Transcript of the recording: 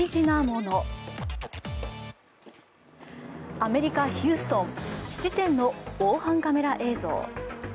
アメリカ・ヒューストン、質店の防犯カメラ映像。